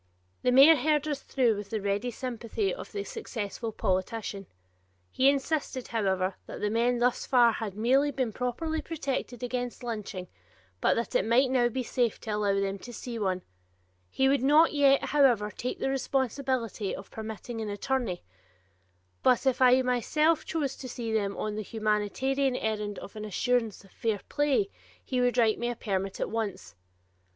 The mayor heard us through with the ready sympathy of the successful politician. He insisted, however, that the men thus far had merely been properly protected against lynching, but that it might now be safe to allow them to see some one; he would not yet, however, take the responsibility of permitting an attorney, but if I myself chose to see them on the humanitarian errand of an assurance of fair play, he would write me a permit at once.